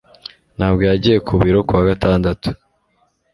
Ntabwo yagiye ku biro kuwa gatandatu